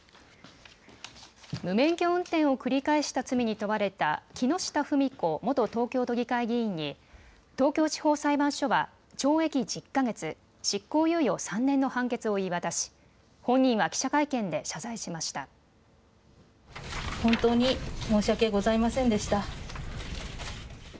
無免許運転を繰り返した罪に問われた木下富美子元東京都議会議員に東京地方裁判所は懲役１０か月執行猶予３年の判決を言い渡し本人は記者会見で謝罪しました。